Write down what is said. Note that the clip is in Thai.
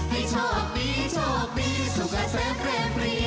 ให้โชคดีโชคดีสุขเสพเพลมดี